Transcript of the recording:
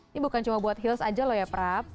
ini bukan cuma buat heels aja loh ya prab